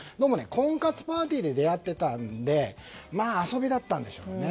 婚活パーティーで出会ってたので遊びだったんでしょうね。